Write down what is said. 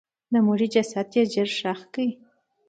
د مړي جسد یې ژر ښخ کړ.